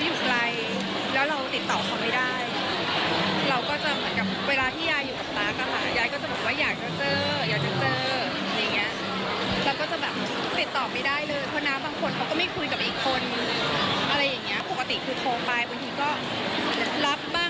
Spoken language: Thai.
อยากให้เขามาดูมาเยี่ยมยายเปล่า